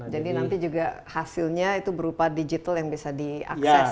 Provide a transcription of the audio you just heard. jadi nanti juga hasilnya itu berupa digital yang bisa diakses